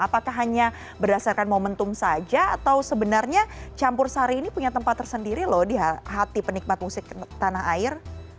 apakah hanya berdasarkan momentum saja atau sebenarnya campur sari ini punya tempat tersendiri loh di hati penikmat musik tanah air